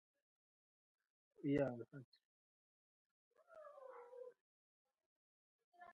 Hip hop duo OutKast's Hey Ya!